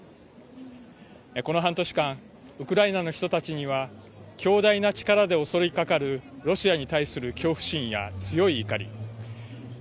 この半年間ウクライナの人たちには強大な力で襲いかかるロシアに対する恐怖心や強い怒り先行きの見えない